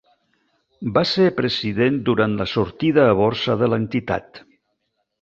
Va ser president durant la sortida a borsa de l'entitat.